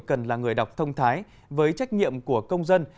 cần là người đọc thông thái với trách nhiệm của công dân